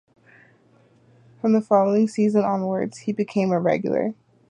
From the following season onwards, he became a regular.